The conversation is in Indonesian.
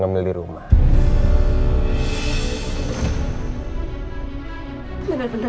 apa ada bisa kita lakukan